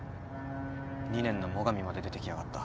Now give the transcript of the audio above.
２年の最上まで出てきやがった。